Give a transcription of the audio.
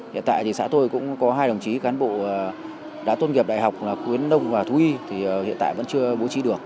hiện tại thì xã tôi cũng có hai đồng chí cán bộ đã tôn nghiệp đại học là khuyến đông và thú y thì hiện tại vẫn chưa bố trí được